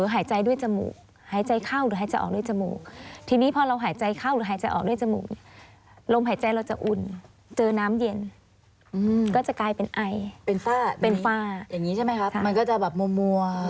หายใจด้วยจมูกหายใจเข้าหรือหายใจออกด้วยจมูกทีนี้พอเราหายใจเข้าหรือหายใจออกด้วยจมูกลมหายใจเราจะอุ่นเจอน้ำเย็นก็จะกลายเป็นไอเป็นฝ้าอย่างนี้ใช่ไหมครับมันก็จะแบบมัว